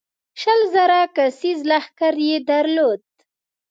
شل زره کسیز لښکر یې درلود.